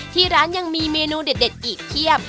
ที่ร้านยังมีเมนูเด็ดอีกเพียบ